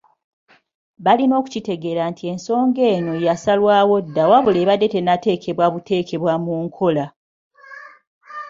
Balina kukitegeera nti ensonga eno yasalwawo dda wabula ebadde tennateekebwa buteekebwa mu nkola.